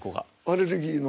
アレルギーの。